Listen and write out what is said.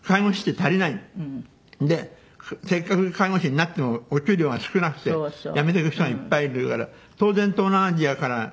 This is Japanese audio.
でせっかく介護士になってもお給料が少なくて辞めていく人がいっぱいいるから当然東南アジアから助けを。